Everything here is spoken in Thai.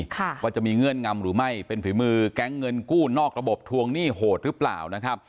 ว่าจะมีเงื่อนงำหรือไม่เป็นฝีมือแก๊งเงินกู้นอกระบบทวงหนี้โหดหรือเปล่านะครับ